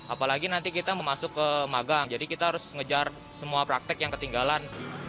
apalagi nanti kita mau masuk ke magang jadi kita harus ngejar semua praktek yang ketinggalan